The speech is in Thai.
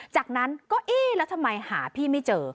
จากนั้นก็เอ๊ะแล้วทำไมหาพี่ไม่เจอ